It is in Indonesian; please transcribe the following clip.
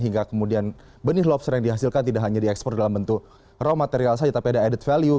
hingga kemudian benih lobster yang dihasilkan tidak hanya diekspor dalam bentuk raw material saja tapi ada added value